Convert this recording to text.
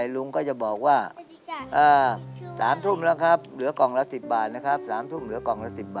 ลุงก็จะบอกว่า๓ทุ่มเหลือกล่องละ๑๐บาท